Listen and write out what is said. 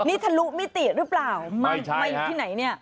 นี่ถ้ารู้มิติหรือเปล่าไม่อยู่ที่ไหนนี่